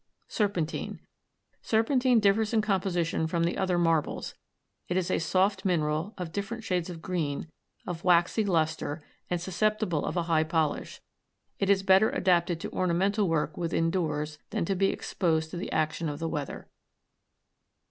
SERPENTINE. Serpentine differs in composition from the other marbles. It is a soft mineral of different shades of green, of waxy luster, and susceptible of a high polish. It is better adapted to ornamental work within doors than to be exposed to the action of the weather.